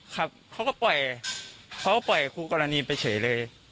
ครับเขาก็ปล่อยเขาก็ปล่อยคู่กรณีไปเฉยเลย